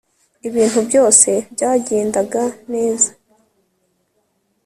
Ibintu byose byagendaga neza